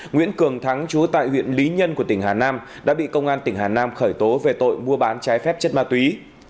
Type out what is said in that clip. nguyễn cường thắng chú tại huyện lý nhân của tỉnh hà nam đã bị công an tỉnh hà nam khởi tố về tội mua bán trái phép chất ma túy